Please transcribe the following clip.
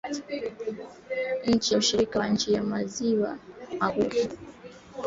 Chini ya ushirika wa nchi za maziwa makuu na ushirikiano wa baina ya nchi.